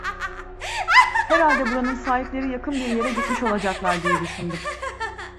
Herhalde buranın sahipleri yakın bir yere gitmiş olacaklar! diye düşündüm.